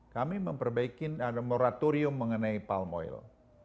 kami memperbaiki moratorium mengenai palm oil